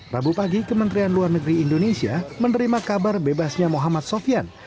rabu pagi kementerian luar negeri indonesia menerima kabar bebasnya muhammad sofian